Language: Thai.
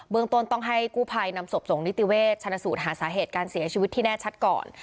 เมืองต้นต้องให้กู้ภัยนำศพส่งนิติเวชชนสูตรหาสาเหตุการเสียชีวิตที่แน่ชัดก่อน